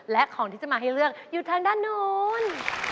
และของที่จะมาให้เลือกอยู่ทางด้านนู้น